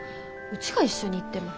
うちが一緒に行っても。